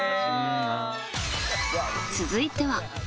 続いては。